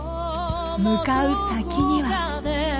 向かう先には。